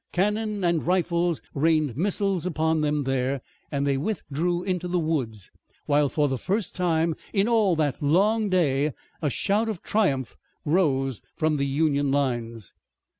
Cannon and rifles rained missiles upon them there, and they withdrew into the woods, while for the first time in all that long day a shout of triumph rose from the Union lines.